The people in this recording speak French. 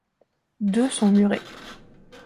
Deux sont murées.